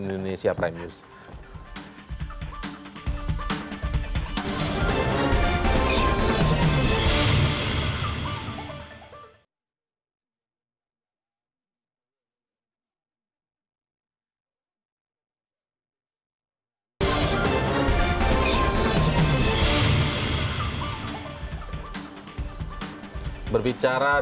mensosialisasikan diri terkait dengan